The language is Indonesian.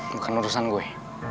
bukan urusan gue